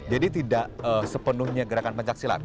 jadi tidak sepenuhnya gerakan pencak silat